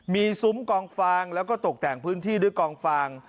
มีซุ้มกองฟางแล้วก็ตกแต่งพื้นที่ด้วยกองฟาง